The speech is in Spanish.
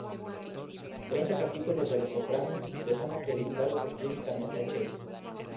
Treinta capítulos de "Los Soprano" le son acreditados explícitamente a Chase.